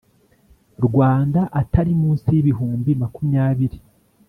Rwanda atari munsi y ibihumbi makumyabiri